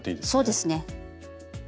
そうですね。